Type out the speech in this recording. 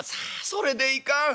「それでいかん。